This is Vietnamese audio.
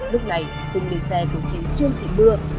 lúc này hưng lên xe của chiếc chương thị mưa